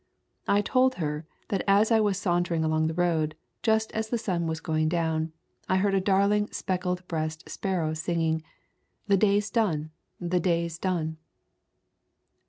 I told her that as I was sauntering along the road, just as the sun was going down, I heard a darling speckled breast sparrow singing, "The day's done, the day's done.